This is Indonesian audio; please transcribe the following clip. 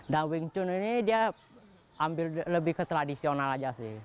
dan wing chun ini dia lebih ketradisional aja sih